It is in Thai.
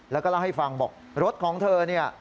แล้วก็เล่าให้ฟังบอกรถของเธอเนี่ย